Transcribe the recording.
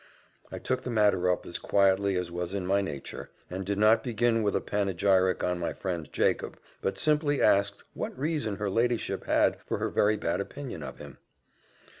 I took the matter up as quietly as was in my nature, and did not begin with a panegyric on my friend Jacob, but simply asked, what reason her ladyship had for her very bad opinion of him?